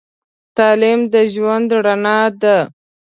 تعليم د ژوند رڼا ده.